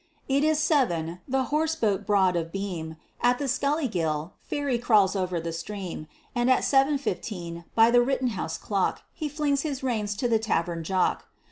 It is seven; the horse boat broad of beam, At the Schuylkill ferry crawls over the stream And at seven fifteen by the Rittenhouse clock, He flings his reins to the tavern jock.